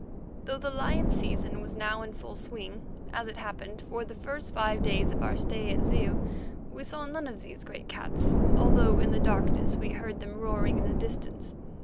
Though the lion season was now in full swing, as it happened, for the first five days of our stay at Zeu we saw none of these great cats, although in the darkness we heard them roaring in the distance.